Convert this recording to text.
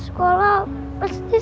kayingernya kalau mau macam ini atau terus